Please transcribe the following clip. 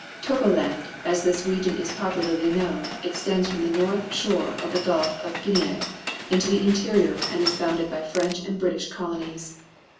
Togoland as this region is popularly known extends from the north shore of the Gulf of Guinea into the interior and is bounded by French and British colonies.